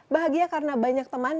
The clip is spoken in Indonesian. bahagia karena banyak teman